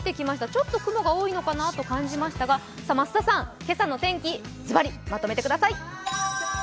ちょっと雲が多いのかなと感じましたが増田さん、今朝の天気ズバリまとめてください。